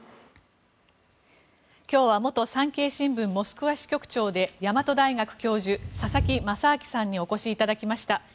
今日は元産経新聞モスクワ支局長で大和大学教授佐々木正明さんにお越しいただきました。